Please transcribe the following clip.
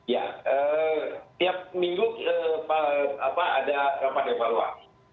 ya tiap minggu ada rapat evaluasi